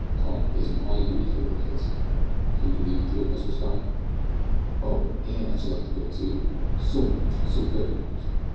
"Come, it is my duty to go to this place. Can you lead me to it, Mr Scott?" "Oh! and I should like to go too so much, so very much!"